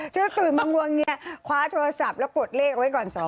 ตื่นมางวงเงียคว้าโทรศัพท์แล้วกดเลขไว้ก่อน